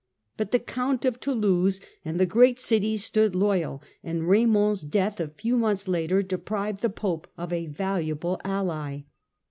But the Count of Toulouse and the great cities stood loyal, and Raymond's death a few months later deprived the Pope of a valuable ally.